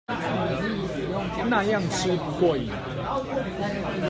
那樣吃不過癮